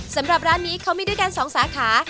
สำหรับร้านนี้เขามีด้วยกัน๒สาขา